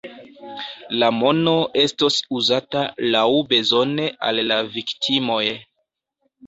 La mono estos uzata laŭbezone al la viktimoj.